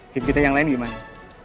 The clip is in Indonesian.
tim kita yang lain gimana